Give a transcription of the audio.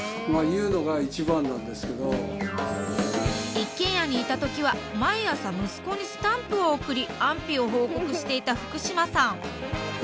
一軒家にいた時は毎朝息子にスタンプを送り安否を報告していた福島さん。